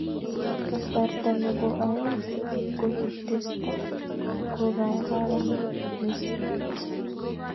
kasarta nebo aeng, kokitestai kokararanit mising